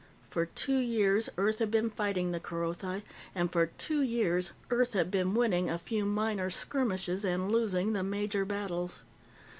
For two years, Earth had been fighting the Kerothi, and for two years Earth had been winning a few minor skirmishes and losing the major battles.